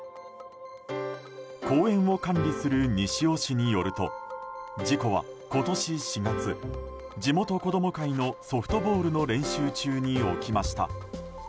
公園を管理する西尾市によると事故は今年４月地元子ども会のソフトボールの練習中に起きました。